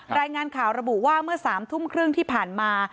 รายงานข่าวระบุว่าเมื่อ๓ทุ่มครึ่งที่ผ่านมา